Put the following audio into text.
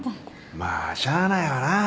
まあしゃあないわな。